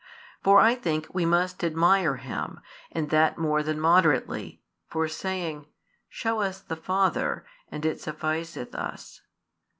For I think we must admire him, and that more than moderately, for saying: Shew us the Father, and it sufficeth us.